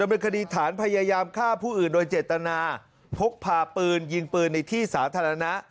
เป็นคดีฐานพยายามฆ่าผู้อื่นโดยเจตนาพกพาปืนยิงปืนในที่สาธารณะ